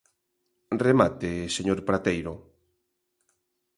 Remate, señor Prateiro.